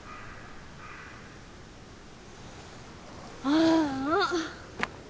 ああ。